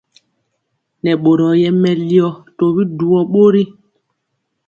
Nɛ boro yɛ melio tɔbi dujɔ bori.